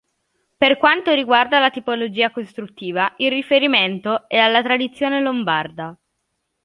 Per quanto riguarda la tipologia costruttiva, il riferimento è alla tradizione lombarda.